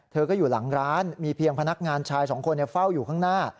เธอก็อยู่หลังร้านมีเพียงพนักงานชายสองคนเฝ้าอยู่ข้างหน้า